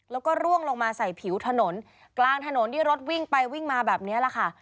แล้วก็ร่วงลงมาใส่ผิวถนนกลางถนนที่รถวิ่งไปวิ่งมาแบบนี้แหละค่ะ